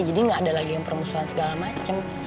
jadi gak ada lagi yang permusuhan segala macem